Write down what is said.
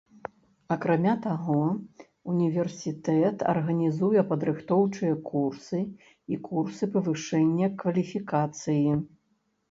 Акрамя таго, універсітэт арганізуе падрыхтоўчыя курсы і курсы павышэння кваліфікацыі.